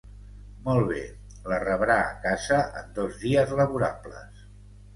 Molt bé, la rebrà a casa en dos dies laborables.